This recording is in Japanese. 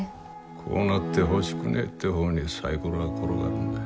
こうなってほしくねえって方にサイコロは転がるんだ。